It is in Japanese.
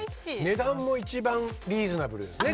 値段も一番リーズナブルですね